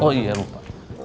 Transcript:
oh iya rupa